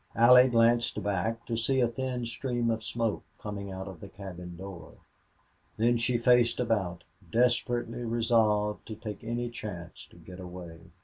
Allie glanced back to see a thin stream of smoke coming out of the cabin door. Then she faced about, desperately resolved to take any chance to get away.